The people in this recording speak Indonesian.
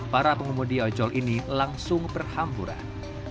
para pengumudi ojol ini langsung berhampuran